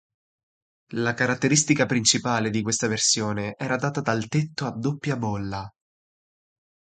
La caratteristica principale di questa versione era data dal tetto a "doppia bolla".